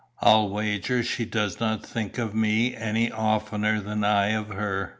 "I'll wager she does not think of me any oftener than I of her.